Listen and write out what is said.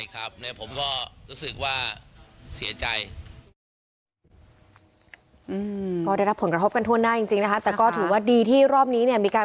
ก็เสียใจที่ร้านชาปูหลังจากตอนนี้ก็แอบเลย